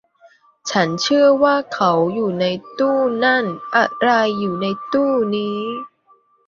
ฉันเชื่อว่าเขาอยู่ในตู้นั่น อะไรอยู่ในตู้นี้